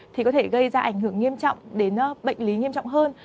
thì có thể gây ra ảnh hưởng nghiêm trọng đến bệnh lý nghiêm trọng hơn